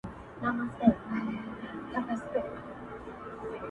قلندر ويله هلته بيزووانه؛